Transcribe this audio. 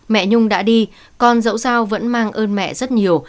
mẹ nhung đã đi con dẫu sao vẫn mang ơn mẹ rất nhiều